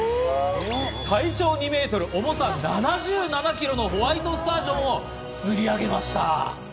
体長２メートル、重さ７７キロのホワイトスタージョンを釣り上げました。